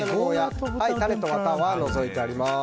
種とワタは除いてあります。